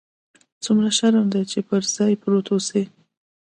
څومره شرم دى چې پر ځاى پروت اوسې.